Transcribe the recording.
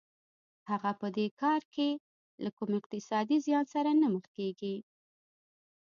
هغه په دې کار کې له کوم اقتصادي زیان سره نه مخ کېږي